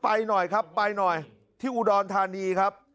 ไปหน่อยครับไปหน่อยที่อุดรธานีครับ